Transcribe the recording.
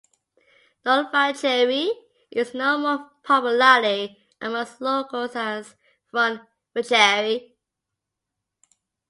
North Vacherie is known more popularly amongst locals as Front Vacherie.